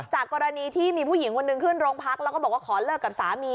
กรณีที่มีผู้หญิงคนหนึ่งขึ้นโรงพักแล้วก็บอกว่าขอเลิกกับสามี